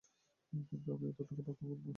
কিন্তু আমি ততটা ভাগ্যবান নই।